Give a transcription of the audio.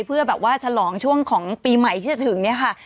เพื่อแบบว่าฉลองช่วงของปีใหม่ที่จะถึงเนี่ยค่ะ